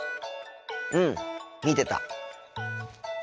うん見てた。